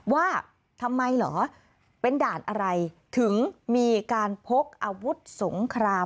ว่าทำไมเหรอเป็นด่านอะไรถึงมีการพกอาวุธสงคราม